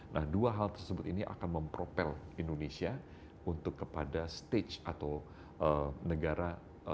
nah dua hal tersebut ini akan mempropel indonesia untuk kepada stage atau negara